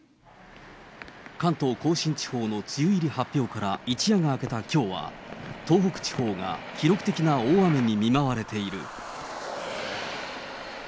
関東甲信地方の梅雨入り発表から一夜が明けたきょうは、東北地方が記録的な大雨に見舞われている。